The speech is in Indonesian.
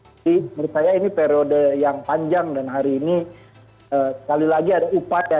jadi menurut saya ini periode yang panjang dan hari ini sekali lagi ada upaya